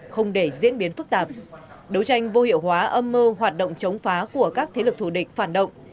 không để diễn biến phức tạp đấu tranh vô hiệu hóa âm mưu hoạt động chống phá của các thế lực thù địch phản động